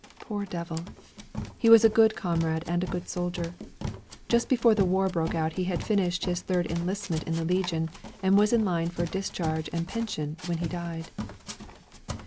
Poor devil! He was a good comrade and a good soldier. Just before the war broke out he had finished his third enlistment in the Legion, and was in line for a discharge and pension when he died.